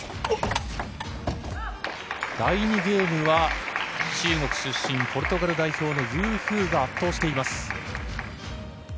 第２ゲームは、中国出身、ポルトガル代表のユー・フーが圧倒しています。